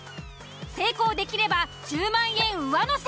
成功できれば１０万円上乗せ。